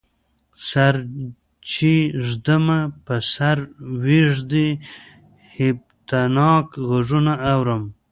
سر چی ږدمه په سر ویږدی، هیبتناک غږونه اورم